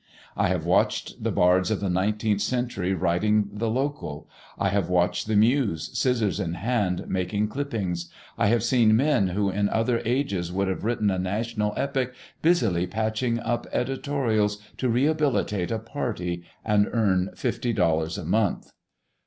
I have watched the bards of the nineteenth century writing the local; I have watched the Muse, scissors in hand, making clippings; I have seen men who in other ages would have written a national epic busily patching up editorials to rehabilitate a party and earn fifty dollars a month.